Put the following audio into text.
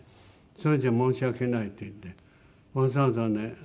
それじゃ申し訳ないっていってわざわざね